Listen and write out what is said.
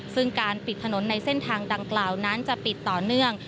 ซึ่งการปิดถนนในเส้นทางดังกล่าวนั้นจะปิดต่อเนื่อง